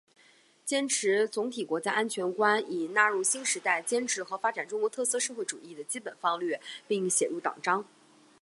坚持总体国家安全观已纳入新时代坚持和发展中国特色社会主义的基本方略并写入党章